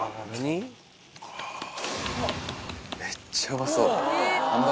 おめっちゃうまそう。